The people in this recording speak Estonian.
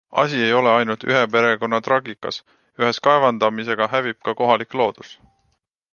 Asi ei olegi ainult ühe perekonna traagikas - ühes kaevandamisega hävib ka kohalik loodus.